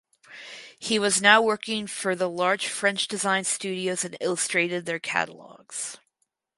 He was now working for the large French design studios and illustrated their catalogs.